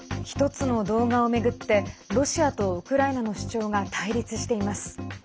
１つの動画を巡ってロシアとウクライナの主張が対立しています。